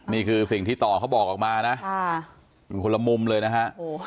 นี่คือสิ่งที่ต่อเขาบอกออกมานะมันคนละมุมเลยนะฮะ